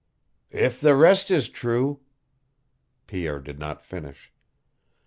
"If the rest is true " Pierre did not finish.